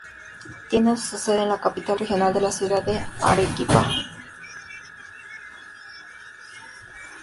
Tiene su sede en la capital regional, la ciudad de Arequipa.